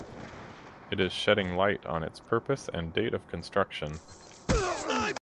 It is shedding light on its purpose and date of construction.